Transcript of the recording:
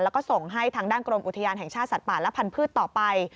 แล้วก็ส่งให้ทางด้านกรมอุทยานแห่งชาติสัตว์ป่าและพันธุ์ต่อไป